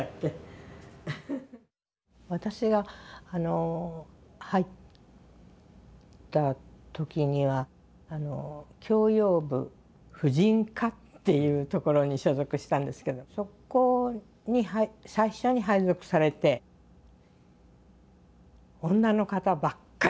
私が入った時には教養部婦人課っていうところに所属したんですけどそこに最初に配属されて女の方ばっかりでしたね。